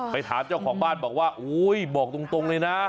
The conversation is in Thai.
ถามเจ้าของบ้านบอกว่าโอ้ยบอกตรงเลยนะ